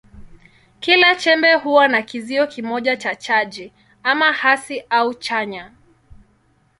Kila chembe huwa na kizio kimoja cha chaji, ama hasi au chanya.